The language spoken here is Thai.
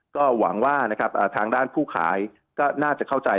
ก็หวังว่านะครับทางด้านผู้ขายก็น่าจะเข้าใจ